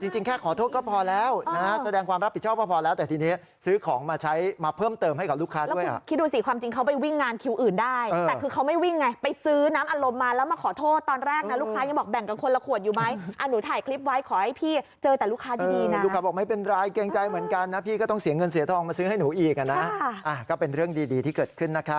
จริงแค่ขอโทษก็พอแล้วแสดงความรับผิดชอบก็พอแล้วแต่ทีนี้ซื้อของมาเพิ่มเติมให้กับลูกค้าด้วยคุณคิดดูสิความจริงเขาไปวิ่งงานคิวอื่นได้แต่คือเขาไม่วิ่งไงไปซื้อน้ำอัดลมมาแล้วมาขอโทษตอนแรกลูกค้ายังบอกแบ่งกันคนละขวดอยู่ไหมหนูถ่ายคลิปไว้ขอให้พี่เจอแต่ลูกค้าด